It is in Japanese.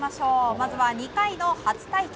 まずは、２回の初対決。